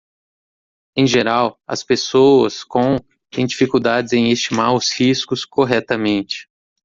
Em geral, as pessoas com? têm dificuldades em estimar os riscos corretamente.